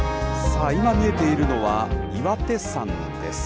さあ、今見えているのは、岩手山です。